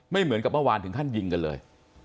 เหมือนกับเมื่อวานถึงขั้นยิงกันเลย